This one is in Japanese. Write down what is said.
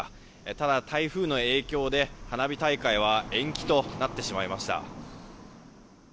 ただ、台風の影響で花火大会は延期となってしまいました。